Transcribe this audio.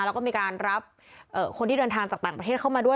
แล้วก็มีการรับคนที่เดินทางจากต่างประเทศเข้ามาด้วย